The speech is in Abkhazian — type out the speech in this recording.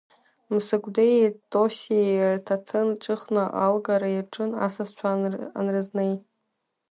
Мсыгәдеи Тосиеи рҭаҭын ҿыхны алгара иаҿын, асасцәа анрызнеи.